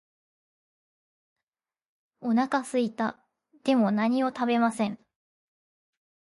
お腹すいた。でも何も食べません。